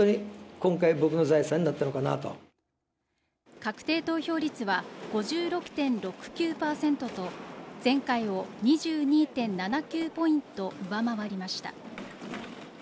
確定投票率は５６．６９％と前回を２２．７９ポイント上回りました。